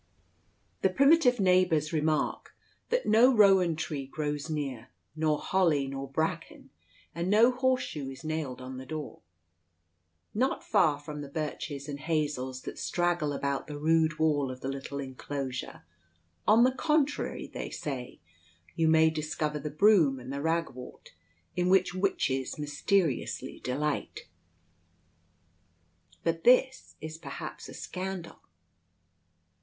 The primitive neighbours remark that no rowan tree grows near, nor holly, nor bracken, and no horseshoe is nailed on the door. Not far from the birches and hazels that straggle about the rude wall of the little enclosure, on the contrary, they say, you may discover the broom and the rag wort, in which witches mysteriously delight. But this is perhaps a scandal.